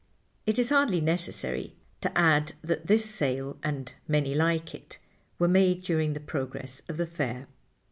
It is hardly necessary to add that this sale, and many like it, were made during the progress of the Fair.